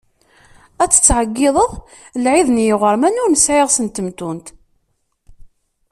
Ad tettɛeggideḍ lɛid n iɣerman ur nesɛi iɣes n temtunt.